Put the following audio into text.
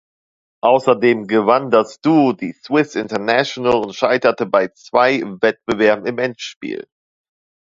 Außerdem gewann das Duo die Swiss International und scheiterte bei zwei Wettbewerben im Endspiel.